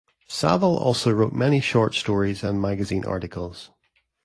Saville also wrote many short stories and magazine articles.